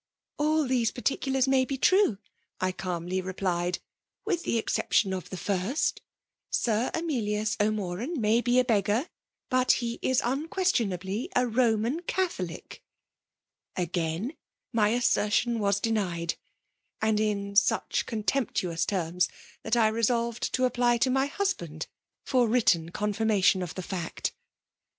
«' All these particuhirs may be true,' I calmly replied, * with the exception of the first Sir Emilius O'Moran may be a beggar, but he is unquestionably a Roman Catholic* " Again my assertion was denied ; and in such contemptuous terms, that I resolved to apply to my husband for written confirmation of the fact.